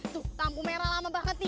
tuh lampu merah lama banget nih